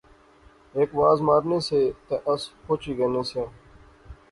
ہک واز مارنے سے تے اس پوچی غنے سیاں